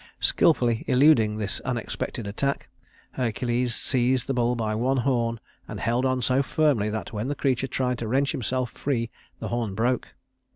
Skillfully eluding this unexpected attack, Hercules seized the bull by one horn and held on so firmly that when the creature tried to wrench himself free the horn broke.